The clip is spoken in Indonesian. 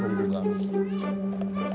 iya udah burung juga